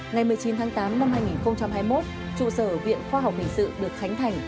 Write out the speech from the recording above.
ngày một mươi chín tháng tám năm hai nghìn hai mươi một trụ sở viện khoa học hình sự được khánh thành